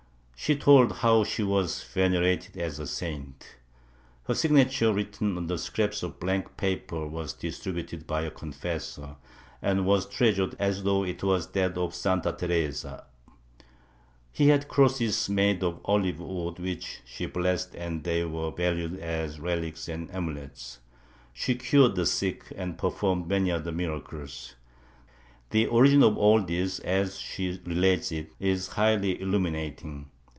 She told how she was venerated as a saint; her signature written on scraps of blank paper was distributed by her confessor and was treasured as though it were that of Santa Teresa; he had crosses made of ohve wood which she blessed and they were valued as relics and amulets; she cm'ed the sick and performed many other miracles. The origin of all this, as she related it, is highly illuminating.